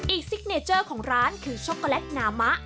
ซิกเนเจอร์ของร้านคือช็อกโกแลตนามะ